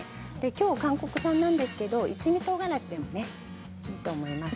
今日は韓国産ですが一味とうがらしでもいいと思います。